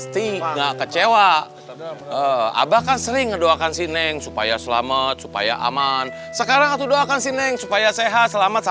tuhan kuat tuhan kuat